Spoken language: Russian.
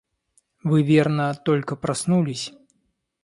Вы, верно, только проснулись.